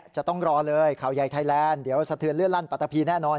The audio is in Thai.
จะต้องรอเลยข่าวยายไทยแลนด์เดี๋ยวเสียเลือดร่ันปะตะพีแน่นอน